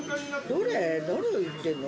どれを言ってるの？